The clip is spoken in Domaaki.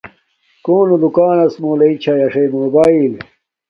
کونو دوکاناس مُو لݵ چھاݵ اݽݵ موباݵل